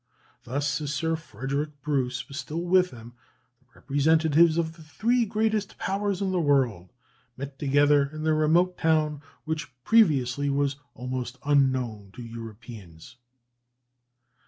Thus, as Sir Frederick Bruce was still with them, the representatives of the three greatest Powers in the world met together in this remote town, which, previously, was almost unknown to Europeans.